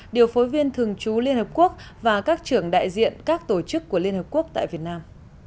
điều phối viên thường trú liên hợp quốc và các trưởng đại diện các tổ chức của liên hợp quốc tại việt nam